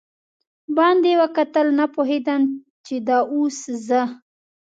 باندې وکتل، نه پوهېدم چې دا اوس زه.